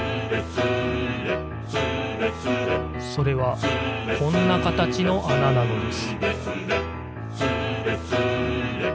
それはこんなかたちのあななのです